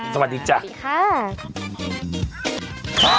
สวัสดีจ้า